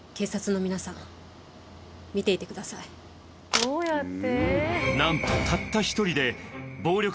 どうやって？